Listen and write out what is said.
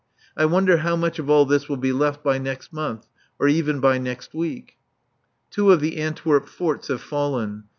I wonder how much of all this will be left by next month, or even by next week? Two of the Antwerp forts have fallen.